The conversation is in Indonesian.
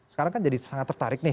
sekarang kan jadi sangat tertarik nih